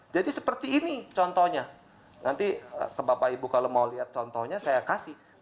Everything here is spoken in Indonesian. jadi seperti ini contohnya nanti ke bapak ibu kalau mau lihat contohnya saya kasih